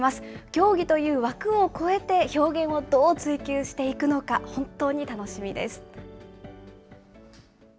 競技という枠を超えて、表現をどう追求していくのか、本当に楽しみです。